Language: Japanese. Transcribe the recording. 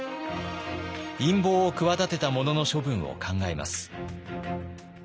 陰謀を企てた者の処分を考えます。